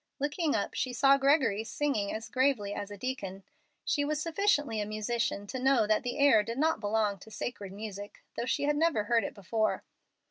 Looking up she saw Gregory singing as gravely as a deacon. She was sufficiently a musician to know that the air did not belong to sacred music, though she had never heard it before.